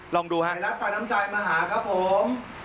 ไทยรัฐปั่นน้ำใจมาหาครับผม